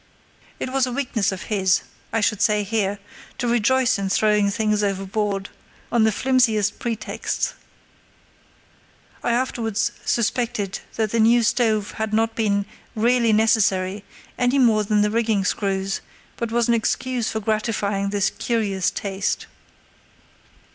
It was a weakness of his, I should say here, to rejoice in throwing things overboard on the flimsiest pretexts. I afterwards suspected that the new stove had not been "really necessary" any more than the rigging screws, but was an excuse for gratifying this curious taste.